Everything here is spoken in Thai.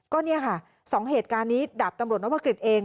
ก็เนี่ยค่ะ๒เหตุการณ์นี้ดาบตำรวจนวกฤษเอง